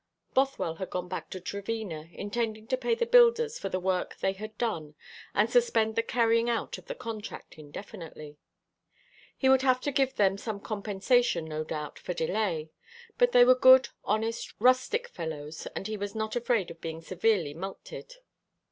Bothwell had gone back to Trevena, intending to pay the builders for the work they had done, and suspend the carrying out of the contract indefinitely. He would have to give them some compensation, no doubt, for delay; but they were good, honest, rustic fellows, and he was not afraid of being severely mulcted.